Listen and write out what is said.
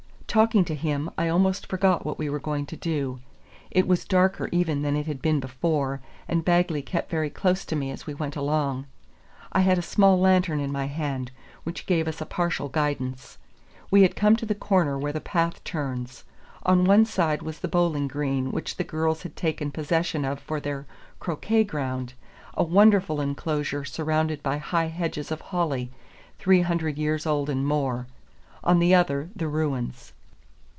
Talking to him, I almost forgot what we were going to do. It was darker even than it had been before, and Bagley kept very close to me as we went along. I had a small lantern in my hand, which gave us a partial guidance. We had come to the corner where the path turns. On one side was the bowling green, which the girls had taken possession of for their croquet ground, a wonderful enclosure surrounded by high hedges of holly, three hundred years old and more; on the other, the ruins.